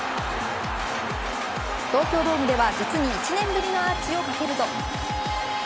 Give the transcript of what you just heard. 東京ドームでは実に１年ぶりのアーチをかけると。